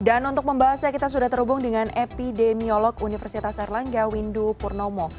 dan untuk membahasnya kita sudah terhubung dengan epidemiolog universitas erlangga windu purnomo